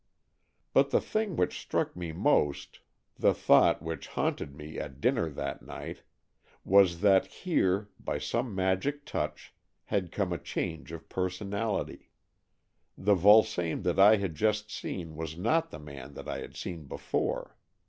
But the thing which struck me most — the 224 AN EXCHANGE OF SOULS thought which haunted me at dinner that night — was that here, by some magic touch, had come a change of personality. The Vulsame that I had just seen was not the man that I had seen before.